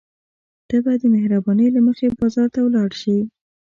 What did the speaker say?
ته به د مهربانۍ له مخې بازار ته ولاړ شې.